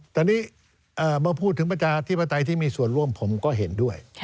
ตอนนี้เมื่อพูดถึงประชาธิปไตยที่มีส่วนร่วมผมก็เห็นด้วย